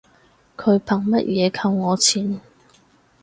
佢憑乜嘢扣我錢